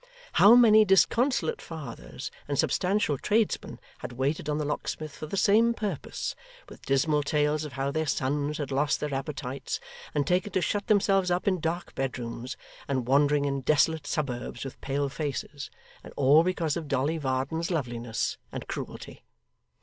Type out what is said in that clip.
How many disconsolate fathers and substantial tradesmen had waited on the locksmith for the same purpose, with dismal tales of how their sons had lost their appetites, and taken to shut themselves up in dark bedrooms, and wandering in desolate suburbs with pale faces, and all because of Dolly Varden's loveliness and cruelty!